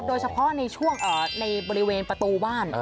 โดยเฉพาะในช่วงในบริเวณประตูบ้าน